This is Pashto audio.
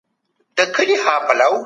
ښه ذهنیت فشار نه راوړي.